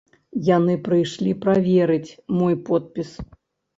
Яны прыйшлі праверыць мой подпіс.